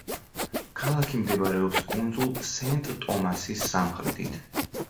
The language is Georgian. ქალაქი მდებარეობს კუნძულ სენტ-ტომასის სამხრეთით.